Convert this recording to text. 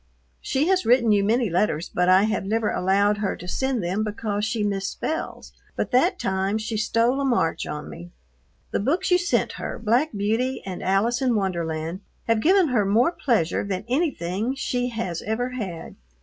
She has written you many letters but I have never allowed her to send them because she misspells, but that time she stole a march on me. The books you sent her, "Black Beauty" and "Alice in Wonderland," have given her more pleasure than anything she has ever had.